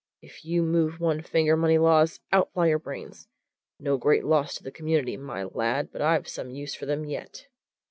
If you move one finger, Moneylaws, out fly your brains! No great loss to the community, my lad but I've some use for them yet."